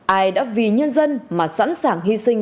ai đã vì nhân dân mà sẵn sàng hy sinh